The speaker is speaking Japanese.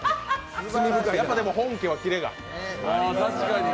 やっぱ、でも本家はキレが。